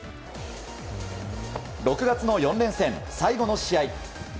６月の４連戦、最後の試合。